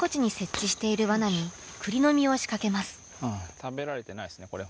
食べられていないですねこれ。